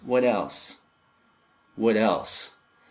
"What else?" What else?...